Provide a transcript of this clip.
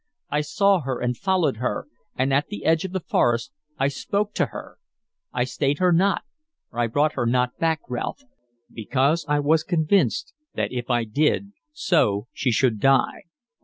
I saw her and followed her, and at the edge of the forest I spoke to her. I stayed her not, I brought her not back, Ralph, because I was convinced that an I did so she would die.